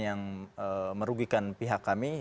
yang merugikan pihak kami